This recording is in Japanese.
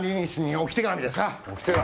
置き手紙。